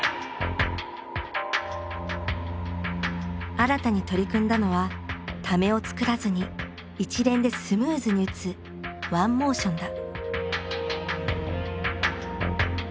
新たに取り組んだのはためをつくらずに一連でスムーズに打つワンモーションだ。